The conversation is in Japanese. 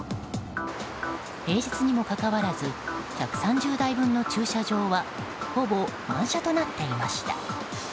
平日にもかかわらず１３０台分の駐車場はほぼ満車となっていました。